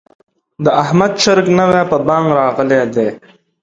د احمد چرګ نوی په بانګ راغلی دی.